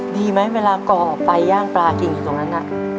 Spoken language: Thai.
ดีไหมเวลาก่อไปย่างปลากินอยู่ตรงนั้นน่ะ